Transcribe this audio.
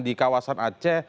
di kawasan aceh